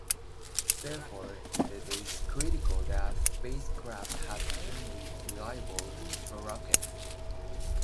Therefore, it is critical that spacecraft have extremely reliable retrorockets.